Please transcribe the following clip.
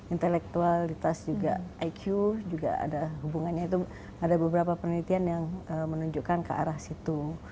intelektualitas juga iq juga ada hubungannya itu ada beberapa penelitian yang menunjukkan ke arah situ